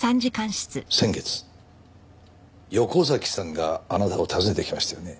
先月横崎さんがあなたを訪ねてきましたよね？